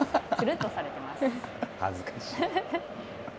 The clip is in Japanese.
恥ずかしい。